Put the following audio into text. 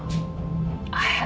tidak aku serius al